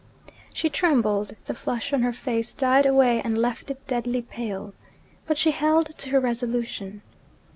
She trembled, the flush on her face died away, and left it deadly pale. But she held to her resolution.